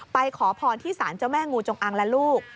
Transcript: ขอพรที่สารเจ้าแม่งูจงอังและลูก